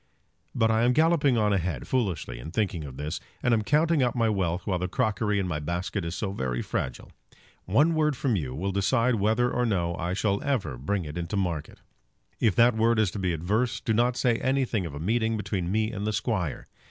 But I am galloping on a head foolishly in thinking of this, and am counting up my wealth while the crockery in my basket is so very fragile. One word from you will decide whether or no I shall ever bring it into market. If that word is to be adverse do not say anything of a meeting between me and the Squire.